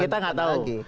kita nggak tahu